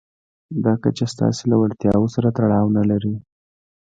دا کچه ستاسې له وړتیاوو سره تړاو نه لري.